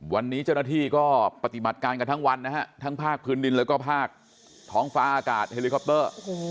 วันนี้เจ้าหน้าที่ก็ปฏิบัติการกันทั้งวันนะฮะทั้งภาคพื้นดินแล้วก็ภาคท้องฟ้าอากาศเฮลิคอปเตอร์